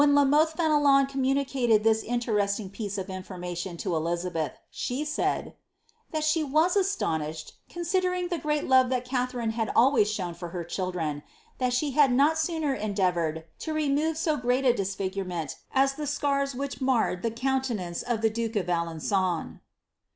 La Mothe Fenelon communicated this interesting piece of in I to Eliiabeth, she said, ^ that she was astonished, considering tore that Gatherine had always shown for her diildren, that not sooner endeavoured to remove so great a disfigurement aa which marred the countenance of the duke of Alen^on."